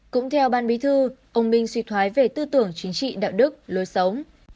cũng theo ban bí thư ông minh suy thoái về tư tưởng chính trị đạo đức lối sống